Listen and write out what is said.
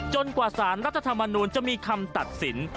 กว่าสารรัฐธรรมนูลจะมีคำตัดสิน